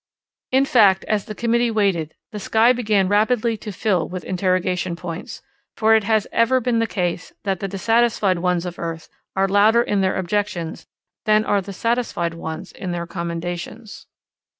In fact, as the committee waited, the sky began rapidly to fill with interrogation points; for it has ever been the case that the dissatisfied ones of earth are louder in their objections than are the satisfied ones in their commendations.